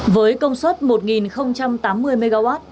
với công suất một tám mươi mw